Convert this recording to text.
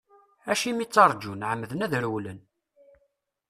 Acimi ttarǧun, ɛemmden ad rewlen.